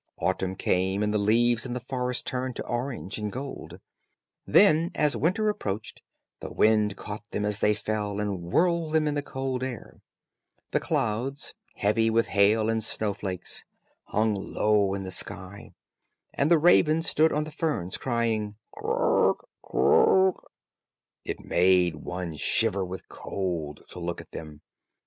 Autumn came, and the leaves in the forest turned to orange and gold. Then, as winter approached, the wind caught them as they fell and whirled them in the cold air. The clouds, heavy with hail and snow flakes, hung low in the sky, and the raven stood on the ferns crying, "Croak, croak." It made one shiver with cold to look at him.